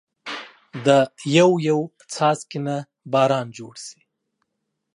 دا يو يو څاڅکي نه باران جوړ شي